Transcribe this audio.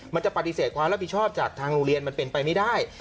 มันจะปฏิเสธความรับผิดชอบจากทางโรงเรียนมันเป็นไปไม่ได้